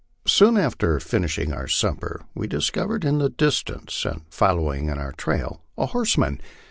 Soon after finishing our supper, we discovered in the distance and follow ing in our trail a horseman.